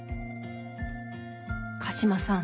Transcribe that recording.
鹿島さん